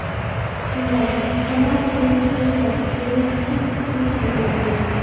شامال، شامال دېدىم پىچىرلاپ، كۈندەشلىكىم تۇتتى شەبنەمگە.